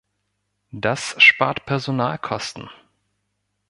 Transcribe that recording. Das spart Personalkosten.